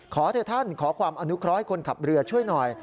ขอเถอะท่านขอความอนุเคราะห์ให้คนขับเรือช่วยหน่อย